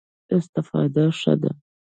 استفاده ښه ده.